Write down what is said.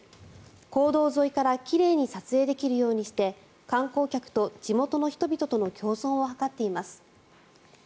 公道沿いから奇麗に撮影できるようにして観光客と地元の人々との共存を図っています。